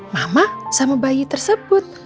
mama sama bayi tersebut